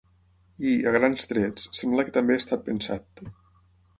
I, a grans trets, sembla que també ha estat pensat.